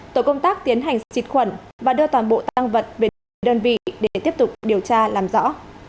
tuổi công tác tiến hành trịt khuẩn và đưa toàn bộ tăng vật về đơn vị để tiếp tục điều tra làm rõ